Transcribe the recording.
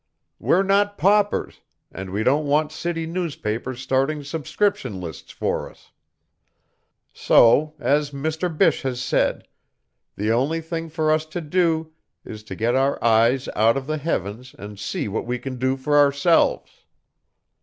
"We're not paupers, and we don't want city newspapers starting subscription lists for us. So, as Mr. Bysshe has said, the only thing for us to do is to get our eyes out of the heavens and see what we can do for ourselves."